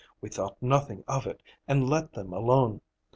We thought nothing of it, and let them alone.